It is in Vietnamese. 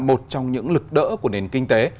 một trong những lực đỡ của nền kinh tế